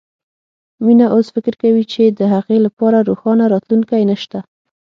مينه اوس فکر کوي چې د هغې لپاره روښانه راتلونکی نه شته